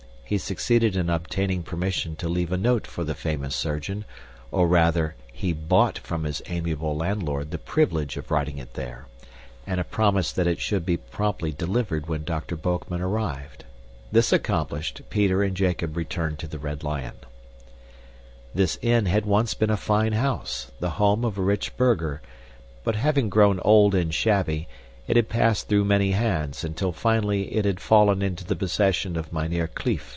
He succeeded in obtaining permission to leave a note for the famous surgeon, or rather, he BOUGHT from his amiable landlord the privilege of writing it there, and a promise that it should be promptly delivered when Dr. Boekman arrived. This accomplished, Peter and Jacob returned to the Red Lion. This inn had once been a fine house, the home of a rich burgher, but having grown old and shabby, it had passed through many hands, until finally it had fallen into the possession of Mynheer Kleef.